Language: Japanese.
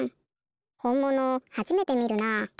ほんものはじめてみるなあ。